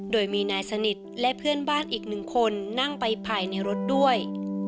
โดยมีนายสนิทและเพื่อนบ้านอีกหนึ่งคนนั่งไปภายในรถด้วย